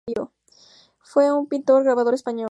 Fue un pintor y grabador español.